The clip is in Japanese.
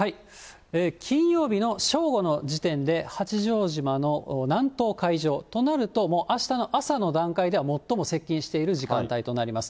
金曜日の正午の時点で、八丈島の南東海上、となると、あしたの朝の段階では最も接近している時間帯となります。